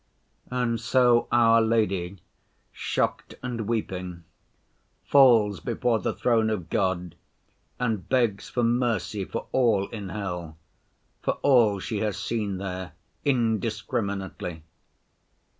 And so Our Lady, shocked and weeping, falls before the throne of God and begs for mercy for all in hell—for all she has seen there, indiscriminately.